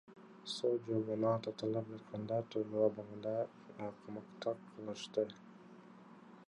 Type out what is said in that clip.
Сот жообуна тартылып жаткандар тергөө абагында камакта калышты.